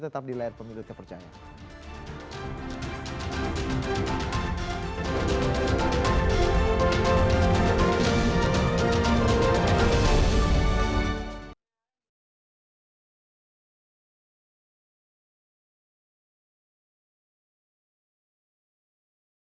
tetap di layar pemilik kepercayaan